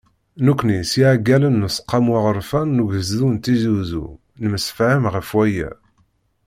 Nekkni s yiɛeggalen n Useqqamu Aɣerfan n Ugezdu n Tizi Uzzu, nemsefham ɣef waya.